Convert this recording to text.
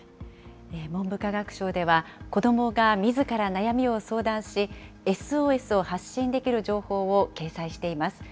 文部科学省では、子どもがみずから悩みを相談し、ＳＯＳを発信できる情報を掲載しています。